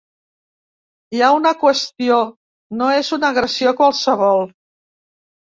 Hi ha una qüestió: no és una agressió qualsevol.